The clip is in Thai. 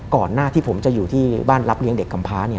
ก่อนหน้าที่ผมจะอยู่ที่บ้านรับเลี้ยงเด็กกำพ้า